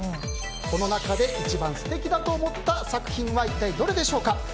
この中で一番素敵だと思った作品は一体どれでしょうか？